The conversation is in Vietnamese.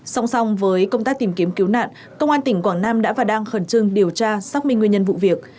song song với công tác tìm kiếm cứu nạn công an tỉnh quảng nam đã và đang khẩn trương điều tra xác minh nguyên nhân vụ việc